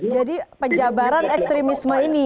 jadi penjabaran ekstrimisme ini